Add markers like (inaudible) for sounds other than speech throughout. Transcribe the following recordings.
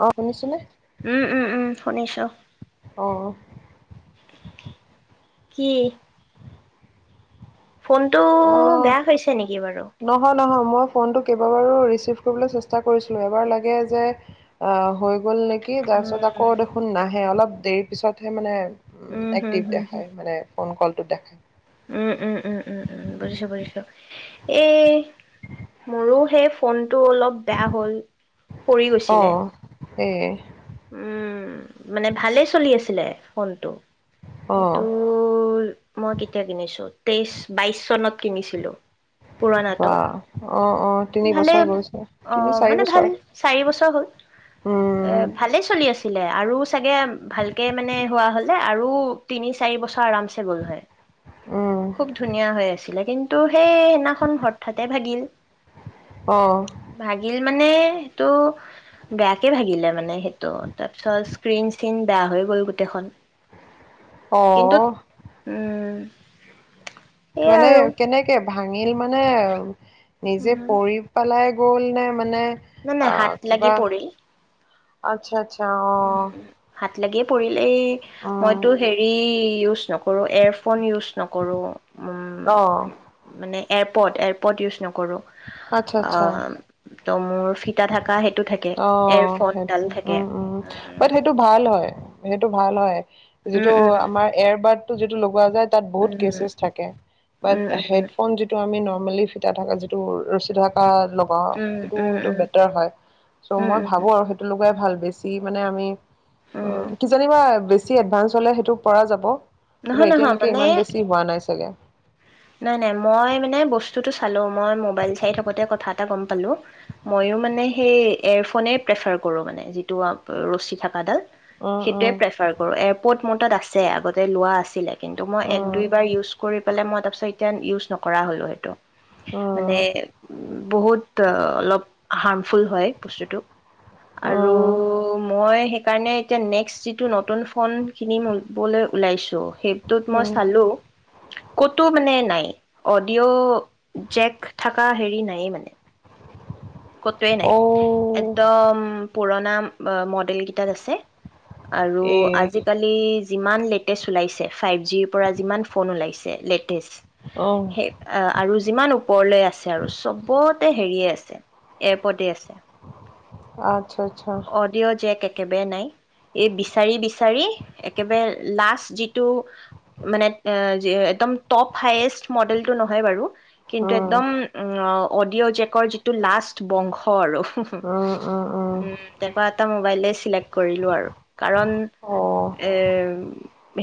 অ শুনিছেনে? উম উম উম শুনিছো অ কি? ফোনটো অ বেয়া হৈছে নেকি বাৰু? মই‌ ফোনটো কেইবাবাৰো ৰিছিভ কৰিবলৈ চেষ্টা কৰিছিলো, এবাৰ লাগে যে‌ অ‌হ ', হৈ গ'ল নেকি কি তাৰ পিছত উম আকৌ দেখোন নাহে অলপ দেৰি পিছতহে মানে উম হম এক্টিভ হম হম দেখাই মানে ফোন কল দেখায় উম উম উম উম উম বুজিছো বুজিছো এই মোৰো সেই ফোন ফোনটো অলপ বেয়া হ'ল পৰি গৈছিলে। এই উম মানে ভালেই চলি আছিলে ফোনটো। অ সেইটো মই কেতিয়া কিনিছো? তেইশ বাইশ চনত কিনিছিলো। পুৰণাটো বা অ অ তিনি ভালে বছৰ গৈছে অ তিনি চাৰি মানে ভাল বছৰ চাৰি বছৰ হ'ল এ উম ভালেই চলি আছিলে আৰু চাগে ভালকে মানে হোৱা হলে আৰু তিনি চাৰি বছৰ আৰামছে গ'ল হয়'। উম খুব ধুনীয়া হৈ আছিলে'। কিন্তু সেই সেইদিনাখন হঠাতে ভাগিল,। অ,। ভাগিল মানে সেইটো বেয়াকে ভাগিলে ত তাৰপিছত,। ফিন চিন বেয়া হৈ গ'ল গোটেইখন,। কিন্তু অ উম এই মানে আৰু কেনেকে? ভাঙিল মানে'। নিজে উম পৰি পেলাই গ'ল নে মানে? নাই- নাই হাত লাগি পৰিল আচ্ছ, আচ্ছা অ উম, উম‌ সাত লাগিয়ে পৰিল লি উম মইতো হেৰি ইউজ কৰো এয়াৰফোন ইউজ নকৰো উম অ মানে এয়াপৰ্ট এয়াৰপৰ্ট ইউজ নক কৰো আচ্ছা আচ্ছা অ' ত মোৰ ফিতা থাকা সেই অ সেইটো উম-উম বাট উম, সেইটো ভাল হয় সেইটো ভাল হয় যিটো উম, আমাৰ এয়াৰ বাট যিটো লগোৱা যায় তাত বহুত উম, কেছ-চেছ থাকে বাট উম, উম, উম, হেটফুন যিটো আমি নৰ্মে মেইনলি ফিটা থাকে যিটো ৰছী থকা লগাও উম, সেইটো উম, সেইটো উম, বেটাৰ হয় চ' উম, মই উম, ভাবো আৰু সেইটো ৱে ভাল বেছি মানে আমি উ, উম, কিজানিবা বেছি বেছি এডভাঞ্চ হ'লে, সেইটো পৰা যাব। কিন্তু নহয়, নহয় এতিয়ালৈকে মানে ইমান বেছি হোৱা নাই চাগে। নাই, নাই, মই মানে বস্তুটো চালো মই মোবাইল চাই থাকোঁতে কথা এটা গম পালো মইয়ো, মানে সেই এয়েফনে প্ৰেফাৰ কৰো মানে যি ৰছী থকাডাল। উম, সেইটোয়ে উম, প্ৰেফাৰ কৰো। এপৰ্দ মোৰ তাত আছে, আগতে লোৱা আছিলে। কিন্তু মই এক উম, দুইবাৰ ইউজ কৰি পেলাই মই। তাৰপিছত এতিয়া ইউজ নকৰা হ'লো সেইটো। মানে, উম, উম, বহুত, অলপ হাৰ্মফুল হয় বস্তুটো। আৰু মই সেইকাৰণে এতিয়া নেক্সট যিটো নতুন ফোন কিনিবলৈ ওলাইছোঁ। সেইটোত উম, মই উম। চালো। ইটো মানে নাই, অডিঅ' জেক থকা হেৰি নাই মানে কতোৱেই নাই, অ' একদম পুৰণা মডেল কেইটাত আছে। আৰু এ আজিকালি যিমান লেটেষ্ট ওলাইছে, ফাইভ জিৰ পৰা যিমান ফোন ওলাইছে লেটেষ্ট। অ' সে- আৰু যিমান ওপৰলৈ আছে, আৰু চবতে হেৰিয়ে আছে। এয় পদে আছে। আ, অডিঅ' জেক এক। একেবাৰে নাই। এই বিচাৰি-বিচাৰি একেবাৰে লাষ্ট, যিটো মানে একদম টপ হায়েষ্ট মডেলটো নহয় বাৰু, কিন্তু উম, একদম উম, ন অ', অডিঅ' জেকৰ যিটো লাষ্ট বংশ আৰু উম, উম, উম। কেপাবাটা মোবাইলে চিলেক্ট কৰিলো আৰু কাৰণ অ' এ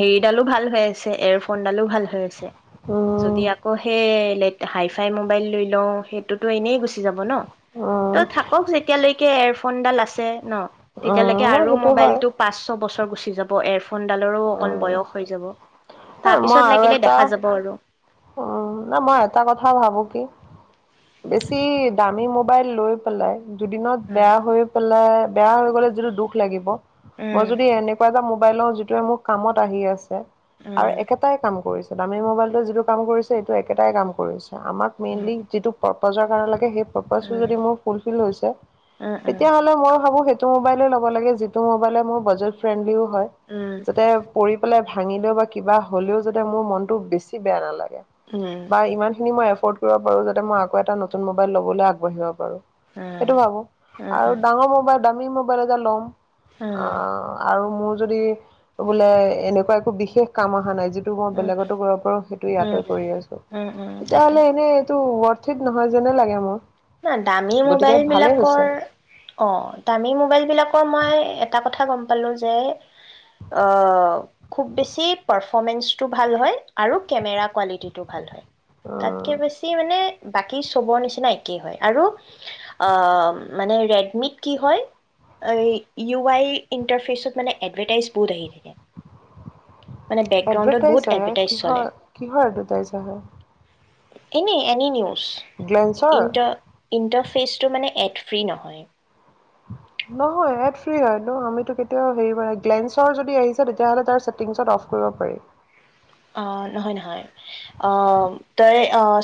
হেৰিডালো ভাল হৈ আছে এয়াৰ ফোনডালো ভাল হৈ আছে। যদি উম, আকৌ সেই লেড, হাই-ফাই মোবাইল লৈ লওঁ, সেইটোতো এনেই গুচি যাব ন। ত উম, থাকক, যেতিয়ালৈকে ফোনদাল আছ ন উম, তেতিয়ালৈকে নাই আৰু সেইটো হয়। মোবাইলতটো পাঁচ ছ বছৰ ত গুচি যাব এফ। সোনডালৰো অকন উম, বয়স হৈ যাব নাই মই তাপিছত আৰু লাগিলে এটা দেখা যাব আৰু। উম না মই এটা কথা ভাবো কি বেছি দামী মোব মোবাইল লৈ পেলাই দুদিনত উম বেয়া হয় পেলাই বেয়া হৈ গ'লে যিটো দুখ লাগিব মই উম যদি এনেকুৱা এটা মোব মোবাইল লও যিটোৱে মোৰ কামত আহি আছে। আৰু উম একেটাই কাম কৰিছ দামি ম'বাইলটো যিটো কাম কৰিছে এটো একেটাই কাম কৰিছ আমাক মেইনলি যিটো প বজা কাৰেলৈকে হেপ ফ'কাছটো উম যদি মো ফুলফিল হৈছে, উম উম উম তেতিয়াহ'লে মই ভাবো সে টো মোবাইলে লব লাগে, যিটো মোবাইলে মোৰ বাজেট ফ্ৰেণ্ডলিও হয়, যাতে পৰি পেলাই ভাঙিলেও বা কিবা হ'লেও যাতে মোৰ মনটো বেছি বেয়া নালা উম উম উম বা ইমানখিনি মই এফ্ৰট কৰিব পাৰো যাতে মই আকৌ এটা নতুন মবাইল লবলৈ আগবাঢ়িব পাৰো। উম উম সেটো ভাবো আৰু ডাঙৰ মোবাইল ডামি মোবাইল এটা ল'ম। অ' আৰু মোৰ যদি বোলে এনেকুৱা একো বিশেষ কাম আহা নাই। যিটো মই বেলেগতো কৰিব পাৰো সে উম উম ইয়াতে কৰি আছো উম উম তাকে তেতিয়াহলে এনেই এটো টো ৱথিত নহয় যেনে লাগে মোৰ। ন দামী গতিকে মোবাইল ভালেই হৈছে বিলাকৰ অ' দামী মোবাইল বিলাকৰ মই এটা কথা থা গম পালো যে অ' খুব বেছি পাৰফমেঞ্চটো ভাল হয় আৰু কেমেৰা কোৱালিটিটো ভাল হয়। তাতকে অ'। বেছি মানে বাকী চবৰ নিচিনাই। কি হয় আৰু আ মানে ৰেডমিত কি হয় ইউ আই ইণ্টাৰফেচত মানে এডভেটাইজ বহুত আহি থাকে। মানে বেকগ্ৰাউণ্ডত বহুত এডভাৰটাইজ আহে এডভাৰটাইজ চলে কিহৰ এডভাৰটাইজ আহে? এনেই আনি নিও গ্লেন্সৰ ইণ্ট ইণ্টাৰফেচটো মানে এক ফ্ৰী নহয়। নহয় এড ফ্ৰী হয় ন আমিতো কেতিয়াওঁ হেৰি কৰা গেলেঞ্চৰ যদি আহিছে তেতিয়াহলে তাৰ চেটিংত অফ কৰিব পাৰি। অ নহয় নহয় তই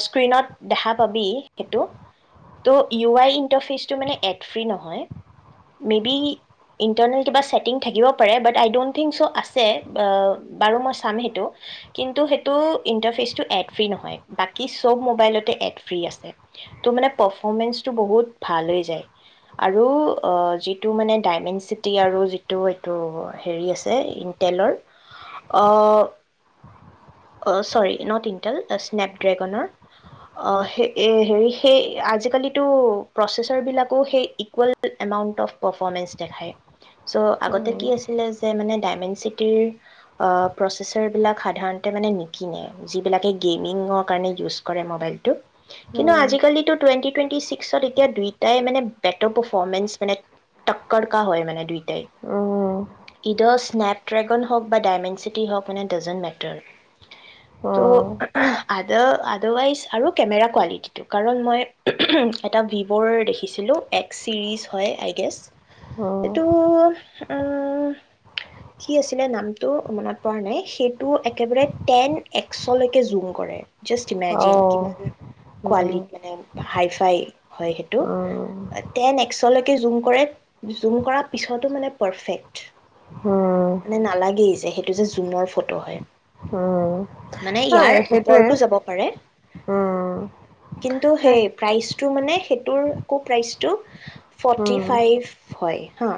স্ক্ৰীণত দেখা পাবি সেইটো ত' ইউ আই ইণ্টাৰফেচটো মানে এড ফ্ৰী নহয় মে বি ইণ্টাৰনেল কিবা ছেটিং থাকিব পাৰে but I don't think so আছে বাৰু মই চাম সেইটো। কিন্তু সেইটো ইণ্টাৰফেচটো এড ফ্ৰী নহয় বাকী চব মোবাইলতে এড ফ্ৰী আছে ত' মানে পাৰফমেঞ্চটো বহুত ভাল হৈ যায় আৰু যিটো মানে ডাইমেণ্ড চিটি আৰু যিটো এইটো হেৰি আছে ইণ্টেলৰ অৰ চৰি নট ইন্তেল স্নেপড্ৰেগনৰ হে সেই আজিকালিটো প্ৰচেছৰ বিলাকো সেই ইকুৱেল এমাউণ্ট অফ পাৰফৰ্মেঞ্চ দেখায়। চ' আগতে কি উম আছিলে যে মানে। ডায়মেণ্ড চিটিৰ প্ৰচেচাৰবিলাক। সাধাৰণতে মানে নিকিনে যিবিলাকে গেমিংৰ কাৰণে ইউচ কৰে মোবাইলটো কিন্তু উম আজি কালিটো টুৱেন্টি-টুৱেন্টি ছিক্সত এতিয়া দুইটাই বেটাৰ পাৰফৰ্মেঞ্চ মানে তক্কৰ কা হয় মানে দুইটাই উম ইদোছ স্নেপড্ৰেগন হওঁক বা দাইমেন চিটি হওঁক মানে দাজেন মেটাৰ তৰ তো উম, আদাৰ আদাৰৱাইজ আৰু কেমেৰা কোৱালিটিটো কাৰণ মই এটা ভিভৰ দেখিছিলোঁ এক্সচিৰিজ হয় আই গেছ উম, এইটো কি আছিলে নামটো মনত পৰা নাই সেই টো একেবাৰে টেনএক্সলৈকে জুম কৰে। জাষ্ট অ ইমেজিন কিমান কোৱালি উম মানে। হাই ফাই হয় সেইটো উম তেন এক্সলৈকে জুম কৰে জুম কৰাৰ পিছটো মানে পাৰফেক্ট উম মানে নালাগে যে সেইটো জুমৰ ফটো ত হয়। উম মান নাই ইয়াৰ সেইটোৱে ওপৰতো যাব পাৰে উম কিন্তু এহ সেই প্ৰাইজ টো মানে সেইটোৰ আকৌ প্ৰাইচটো ফৰ্টি উম ফাইভ হয় হা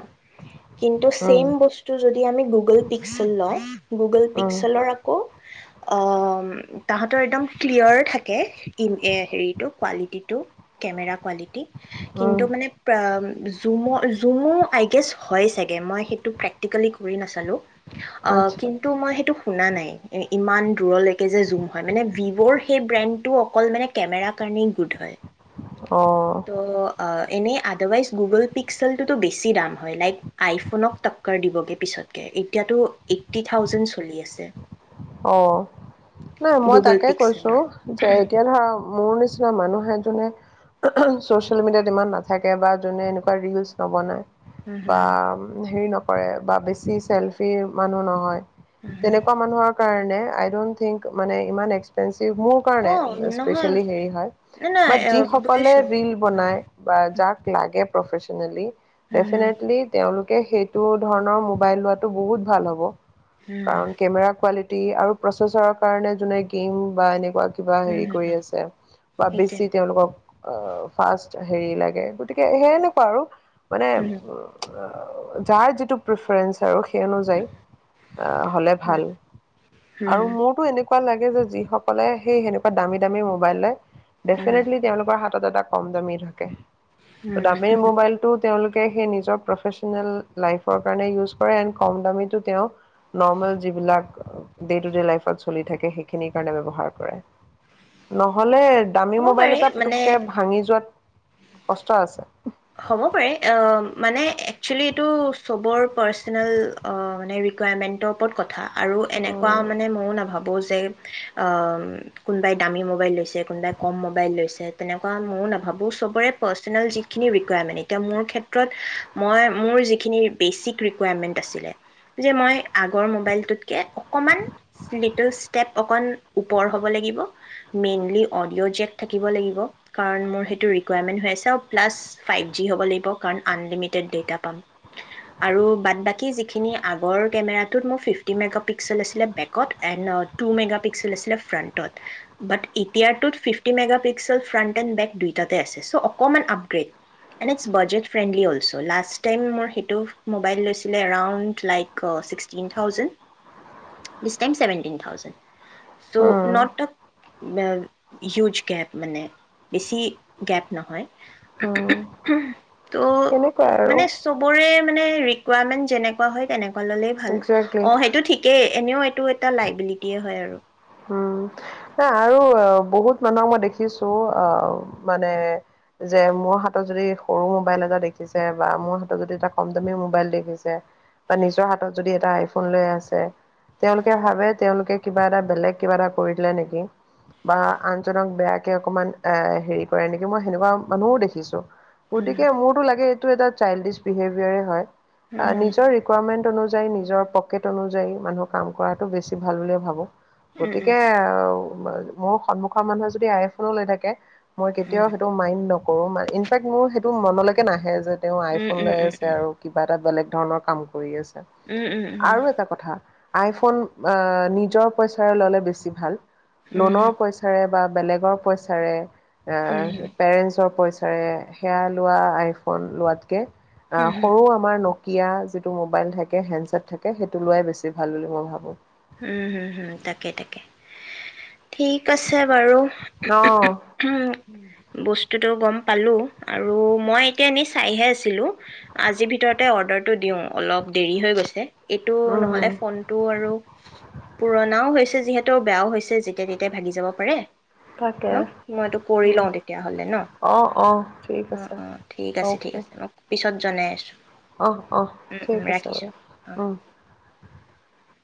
কিন্তু উম ছেইম বস্তু যদি আমি গুগল পিক্সেল লওঁ গুগল উম পিক্সেলৰ আকৌ তাহাঁতৰ একদম ক্লিয়াৰ থাকে হেৰিটো কোৱালিটিটো কেমেৰা কোৱালিটি উম কিন্তু মানে জুমো-জুমো আই গেছ হয় চাগে মই সেইটো প্ৰেক্টিকেলি কৰি নাচালোঁ। অ আচ্ছা কিন্তু মই সেই শুনা নাই ইমান দূৰৰ লৈকে যে জুম হয় মানে ভিভৰ সেই ব্ৰেণ্ডটো অকল মানে কেমেৰা কাৰনেই গুড হয়। অ ত' এনেই আডাৰৱাইজ গুগল পিক্সেলটোতো বেছি দাম হয় লাইক আইফোনক টক্কৰ দিবগে পিছতকে এতিয়াতো এইটি থাউজেণ্ড চলি আছে। অ নাই মই গুগল তাকে কৈছো পিক্সেলৰ যে এতিয়া ধৰা মোৰ নিচিনা যোৱা মানুহে যোনে ছচিয়েল মিডিয়াত ইমান নাথাকে বা যোনে এনেকুৱা ৰিলচ নবনায়। হুম হুম বা হুম হেৰি ন কৰে বা বেছি চেলফি মানুহ নহয়। হুম তেনেকুৱা মানুহক মানুহৰ কাৰণে আই দন্ত থিংক মানে ইমান এক্সপেঞ্চিভ যি মোৰ কাৰণে হুম অ নহয় স্পেচিয়েলি হেৰি হয় নাই নাই বাত আহ, যিসকলে বুজিছো ৰীল হুম বনাই বা যাক লাগে প্ৰফে্চনেলি হুম ডেফিনেটলি তেওঁলোক। সেইটো ধৰণৰ মোবাইল লোৱাটো বহুত ভাল হ'ব। হুম কাৰণ হুম কেমেৰা কোৱালিটি আৰু প্ৰচেছৰৰ কাৰণে যোনে গেম বা এনেকুৱা কিবা হেৰি হুম, হুম, কৰি হুম, আছে বা সেইটোৱে বেছি তেওঁলোকক অ', ফাৰ্ষ্ট হেৰি লাগে, গতিকে সেই এনেকুৱা আৰু। মানে হুম উ যাৰ যিটো প্ৰিফাৰেঞ্চ আৰু সেই অনুযায়ী, হ'লে হুম ভাল। হুম হুম আৰু হুম মোৰতো এনেক এনেকুৱা লাগে যে যিসকলে সেই সেনেকুৱা দামী দামী মোবাইল লৈ হুম ডেফিনেটলি তেওঁলোকৰ হাত এটা কম দামী থাকে। হুম। দামী মোবাইলটো তেওঁলোকে নিজৰ প্ৰফেচনেল লাইফৰ কাৰনে ইউচ কৰে এণ্ড কম দামিটো তেওঁৰ দামো নৰ্মেল যিবিলাক ডে টু ডে লাইফত চলি থাকে সেইখিনিৰ কাৰণে ব্যৱহাৰ কৰে নহ'লে দামী হ'ব পাৰে মোবাইল এটা মানে পটুকে ভাঙি যোৱাত কষ্ট আছে। হ'ব পাৰে মানে এইটো ছবোৰ পাৰ্চনেল ৰেকুইৰেমেন্ত ওপৰত কথা আৰু এনেকুৱা উম, মানে মইও নাভাবোঁ। কোনোবাই দামী মোবাইল লৈছে কোনোবাই কম মোবাইল লৈছে তেনেকুৱা মই নাভাবো চবৰে পাৰ্চনেল যি য ৰিকুৱাৰমেণ্ট এতিয়া মোৰ ক্ষেত্ৰত মই মোৰ যিখিনি বেচিক ৰিকুৱাৰমেণ্ট আছিলে যে মই আগৰ মোবাইলটোতকে অকণমান লিটল ষ্টেপ অকণ ওপৰ হ'ব লাগিব মেইনলি অডিঅ' জেক থাকিব লাগিব কাৰণ মোৰ সেইটো ৰিকুৱাৰমেণ্ট হৈ আছে অপ প্লাছ ফাইভ জি হ'ব লাগিব কাৰণ আনলিমিটেড ডেটা পাম আৰু বাদ বাকী যিখিনি আগৰ কেমেৰাটোত মোৰ ফিফটি মেগ পিক্সেল আছিলে বেকত এণ্ড টু মেগ পিক্সেল আছিলে ফ্ৰণ্টত বাট এতিয়টোত fifty meg pixel front and back দুইটাতে আছে চ' অকণমান up date it's budget friendly also last time মোৰ সেইটো মোবাইল লৈছিলে around like sixteen thousand the time seventeen thousand. So um, not huge gap মানে বেছি গেপ নহয়। উম, ত' সেনেকুৱাই আৰু মানে চবৰে মানে ৰিকুৱাৰমেণ্ট যেনেুৱা হয় তেনেক ল'লেই ভাল একজেক্টলি। অ', সেইটো ঠিকেই এনেও এইটো এটা লাইবিলিটিয়ে আৰু উম, হ আৰু বহুত মানুহক মই দেখিছো অ', মানে যে মোৰ হাতত যদি সৰু মোবাইল এটা দেখিছে বা মোৰ হাতত যদি এটা কম দামী মোবাইল দেখিছে বা নিজৰ হাতত যদি এটা আইফোন লৈ আছে তেওঁলোকে ভাবে তেওঁলোকে কিবা এটা বেলেগ কিবা এটা কৰি দিলে নেকি বা আনজনক বেয়াকে অকমান এ হেৰি কৰে নেকি মই সেনেকুৱা মানুহও দেখিছো। উম গতিকে মোৰতো লাগে এইটো এটা চাইল্ডিছ বিহেভিয়াৰে হয়। হম নিজৰ ৰিকুৱাৰমেণ্ট অনুযা নিজৰ পকেট অনুযায়ী মানুহৰ কাম কৰাটো বেছি ভাল বুলিয়ে ভাবো। উম গতিকে মোৰ সন্মুখৰ মানুহে যদি আইফনো লৈ থাকে মই কেতিয়াও উম সেইটো মাইণ্ড ন কৰোঁ মানে, ইনফেক্ট মোৰ সেইটো মনলৈকে নাহে যে তেওঁ উম আইফোন উম লৈ আছে আৰু কিবা এটা বেলেগ ধৰণৰ কাম কৰি আছে। উম উম উম উম আৰু এটা কথা আইফোন আ নিজৰ পইচ চাৰে ল'লে বেছি ভাল। উম উম উম লোনৰ পইচাৰে বা বেলেগৰ পইচাৰে হম এহ হম পেৰেঞ্চৰ পইচা চাৰে সেয়া লোৱা আইফোন লোৱাতকে আ হম হম হম সৰু আমাৰ ন কীয়া যিটো মোবাইল থাকে হেণ্ডছেট থাকে সেইটো লোৱাই বেছি ভাল বুলি মই ভাবোঁ। উম হম হম তাকে তাকে ঠিক আছ ছে বাৰু (unintelligible) বস্তুটো গম পালোঁ আৰু মই এতিয়া এনেই চাইহে আছিলোঁ আজিৰ ভিতৰতে অৰ্ডাৰটো দিওঁ অলপ দেৰি হৈ গৈছে। এইটো নহ'লে অঁ ফোনটো আৰু পুৰণাও হৈছে যিহেতু বেয়াও হৈছে যেতিয়া তেতিয়া ভাগি যাব পাৰে। তাকে ন মই এইটো কৰি উম, লও তেতিয়া হলে ন? অ', অ', ঠিক অ আছে অ ঠিক আছে ঠিক আছে ন পিছত জনাই আছোঁ। অহ অহ উম, ঠিক উম, আছে বাৰু ৰাখিছোঁ অঁ উম।